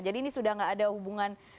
jadi ini sudah nggak ada hubungan